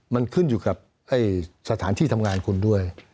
มันขึ้นอยู่กับสถานที่ทำงานคุณด้วย